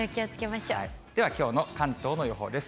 ではきょうの関東の予報です。